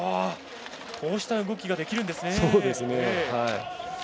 こうした動きができるんですね。